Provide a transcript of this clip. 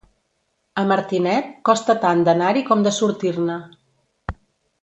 A Martinet, costa tant d'anar-hi com de sortir-ne.